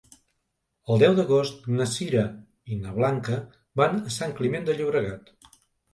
El deu d'agost na Sira i na Blanca van a Sant Climent de Llobregat.